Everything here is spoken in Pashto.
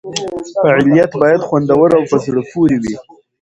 فعالیت باید خوندور او په زړه پورې وي.